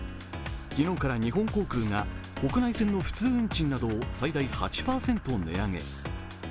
昨日から日本航空が国内線の普通運賃などを最大８％値上げ。